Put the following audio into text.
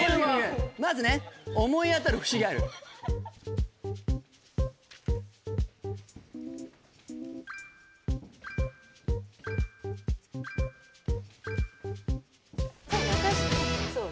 まずね思い当たるふしがあるそうね